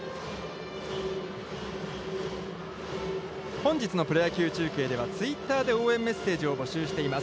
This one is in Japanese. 本日のプロ野球中継ではツイッターで応援メッセージを募集しています。